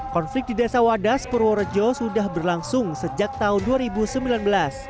konflik di desa wadas purworejo sudah berlangsung sejak tahun dua ribu sembilan belas